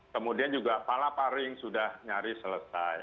kemudian juga palaparing sudah nyaris selesai